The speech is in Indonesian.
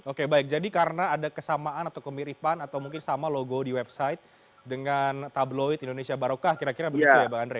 oke baik jadi karena ada kesamaan atau kemiripan atau mungkin sama logo di website dengan tabloid indonesia barokah kira kira begitu ya bang andre